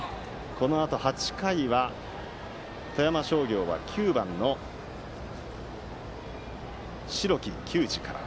このあと８回は富山商業は９番の白木球二から。